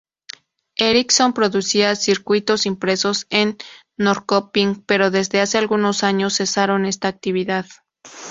Ericsson producía circuitos impresos en Norrköping, pero desde hace algunos años, cesaron esta actividad.